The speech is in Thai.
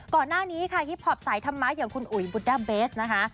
ก่อนหน้านี้ค่ะฮิปพอปสายธรรมะอย่างคุณอุ๋ยบุดด้าเบสนะคะ